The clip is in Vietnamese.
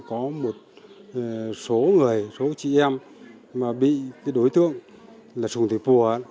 có một số người số chị em mà bị đối tượng là trùng thịt bùa